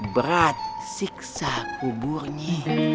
berat siksa kuburnya